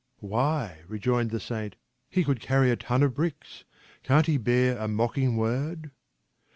" Why," rejoined the Saint, " he could carry a ton of bricks ; can't he bear a mocking word?